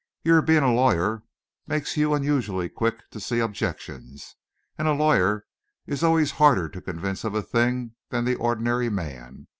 Your being a lawyer makes you unusually quick to see objections, and a lawyer is always harder to convince of a thing than the ordinary man.